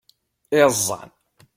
Iẓẓan!